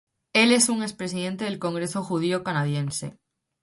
Él es un expresidente del Congreso Judío Canadiense.